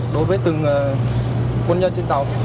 đối với từng quân nhân trên tàu